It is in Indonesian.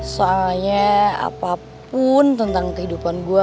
soalnya apapun tentang kehidupan gue